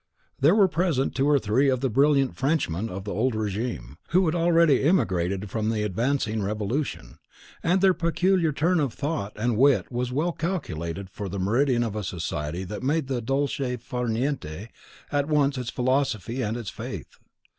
There were present two or three of the brilliant Frenchmen of the old regime, who had already emigrated from the advancing Revolution; and their peculiar turn of thought and wit was well calculated for the meridian of a society that made the dolce far niente at once its philosophy and its faith.